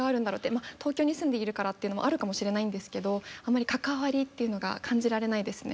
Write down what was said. まあ東京に住んでいるからっていうのもあるかもしれないんですけどあんまり関わりっていうのが感じられないですね。